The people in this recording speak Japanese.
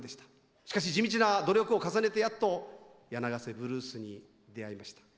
しかし地道な努力を重ねてやっと「柳ヶ瀬ブルース」に出会いました。